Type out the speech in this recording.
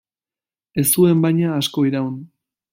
Ez zuen, baina, asko iraun.